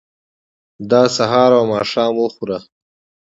دا سهار او ماښام وخوره.